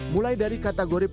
mulai dari kategori pertandingan